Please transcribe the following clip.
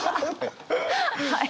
はい。